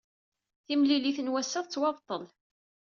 Timlilit n wass-a tettwabṭel.